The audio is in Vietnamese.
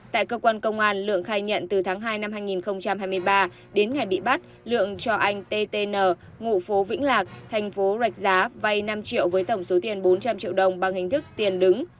tại cơ quan công an lượng khai nhận từ tháng hai năm hai nghìn hai mươi ba đến ngày bị bắt lượng cho anh ttn ngụ phố vĩnh lạc thành phố rạch giá vay năm triệu với tổng số tiền bốn trăm linh triệu đồng bằng hình thức tiền đứng